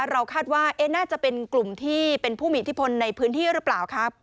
เราคาดว่าน่าจะเป็นกลุ่มที่เป็นผู้มีอิทธิพลในพื้นที่หรือเปล่าครับ